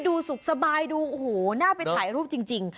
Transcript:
ดูสุขสบายดูโอ้โหน่าไปถ่ายรูปจริง